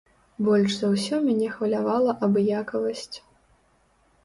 Больш за ўсё мяне хвалявала абыякавасць.